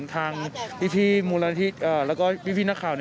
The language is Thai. ทางพี่มูลนาธิตรและพี่นักข่าว